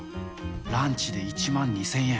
ランチで１万２０００円。